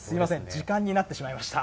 時間になってしまいました。